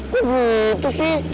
kok gitu sih